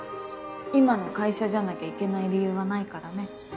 今の会社じゃなきゃいけない理由はないからね。